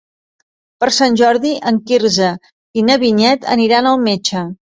Per Sant Jordi en Quirze i na Vinyet aniran al metge.